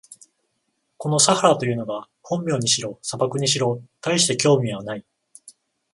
このサハラというのが本名にしろ、砂漠にしろ、たいして興味はない。